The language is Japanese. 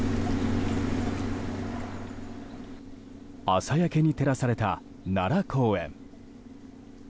朝焼けに照らされた奈良公園。